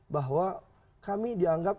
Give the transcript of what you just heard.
bahwa kami dianggap